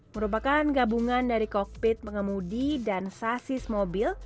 merupakan gabungan dari kokpit pengemudi dan sasis mobil